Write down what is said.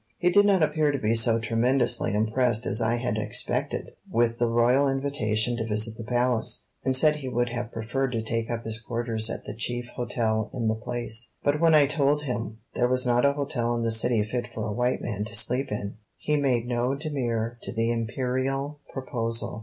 He did not appear to be so tremendously impressed as I had expected with the royal invitation to visit the Palace, and said he would have preferred to take up his quarters at the chief hotel in the place, but when I told him there was not a hotel in the city fit for a white man to sleep in, he made no demur to the Imperial proposal.